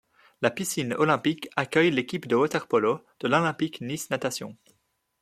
La piscine olympique accueille l'équipe de water-polo de l'Olympic Nice Natation.